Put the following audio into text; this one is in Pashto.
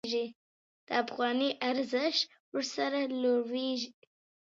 د افغانۍ ارزښت ورسره لوړېږي.